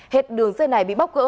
hết đường dây này bị bóc cỡ